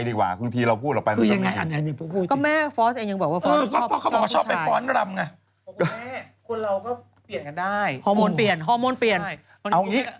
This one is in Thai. แล้วคนเราก็เปลี่ยนกันได้